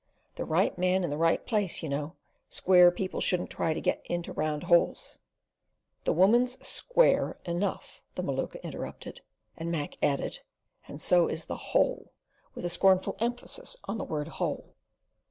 The right man in the right place, you know. Square people shouldn't try to get into round holes." "The woman's SQUARE enough!" the Maluka interrupted; and Mac added, "And so is the HOLE," with a scornful emphasis on the word "hole."